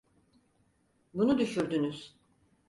Bunu düşürdünüz.